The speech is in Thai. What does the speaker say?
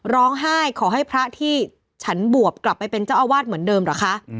ร้องไห้ขอให้พระที่ฉันบวบกลับไปเป็นเจ้าอาวาสเหมือนเดิมเหรอคะ